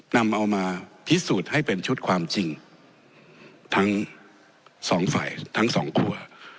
นำเอามาพิสูจน์ให้เป็นชุดความจริงทั้งสองฝ่ายทั้งสองคั่ว